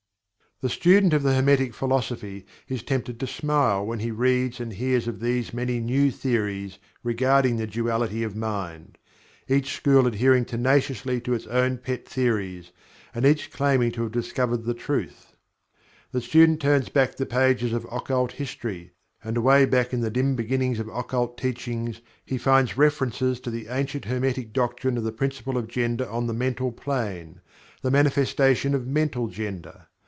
The student of the Hermetic Philosophy is tempted to smile when he reads and hears of these many "new theories" regarding the duality of mind, each school adhering tenaciously to its own pet theories, and each claiming to have "discovered the truth." The student turns back the pages of occult history, and away back in the dim beginnings of occult teachings he finds references to the ancient Hermetic doctrine of the Principle of Gender on the Mental Plane the manifestation of Mental Gender.